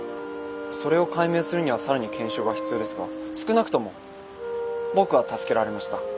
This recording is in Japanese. それを解明するには更に検証が必要ですが少なくとも僕は助けられました。